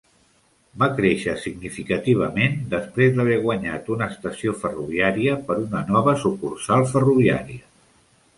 Va créixer significativament després d'haver guanyat una estació ferroviària per una nova sucursal ferroviària.